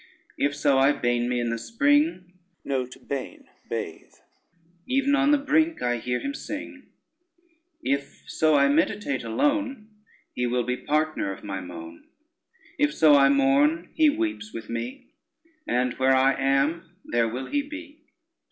If so I bain me in the spring, Even on the brink I hear him sing: If so I meditate alone, He will be partner of my moan. If so I mourn, he weeps with me, And where I am there will he be.